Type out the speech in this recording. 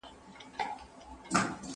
مينه د مور له خوا ښکاره کيږي!.